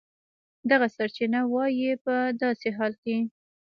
دغه سرچینه وایي په داسې حال کې